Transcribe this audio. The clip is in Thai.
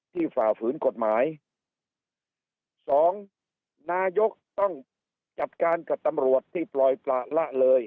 ฝ่าฝืนกฎหมายสองนายกต้องจัดการกับตำรวจที่ปล่อยประละเลย